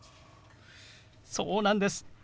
そうなんです。